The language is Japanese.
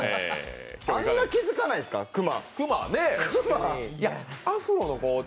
あんな気づかないんですか、熊。